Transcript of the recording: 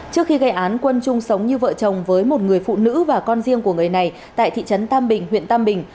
trước khi gây án quân chung sống như vợ chồng với một người phụ nữ và con riêng của người này tại thị trấn tam bình huyện tam bình